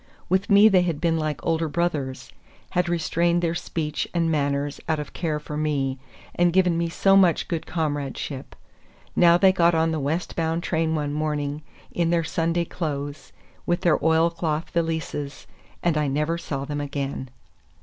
With me they had been like older brothers; had restrained their speech and manners out of care for me, and given me so much good comradeship. Now they got on the west bound train one morning, in their Sunday clothes, with their oilcloth valises—and I never saw them again.